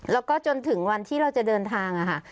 แล้วก็จนถึงวันที่เราจะเดินทางค่ะ